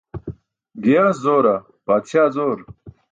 Giyaas zoora, paatśaa zoor?